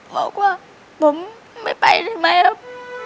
บอกว่าผมไม่ไปได้ไหมครับ